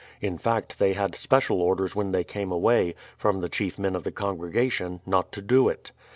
In fact they had special orders when they came away, from tlie chief men of the congregation, not to do it.